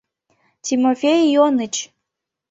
— Тимофей Ионыч!